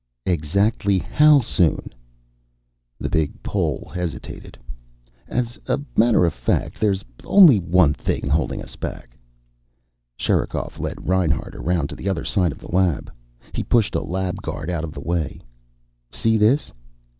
"Exactly how soon?" The big Pole hesitated. "As a matter of fact, there's only one thing holding us back." Sherikov led Reinhart around to the other side of the lab. He pushed a lab guard out of the way. "See this?"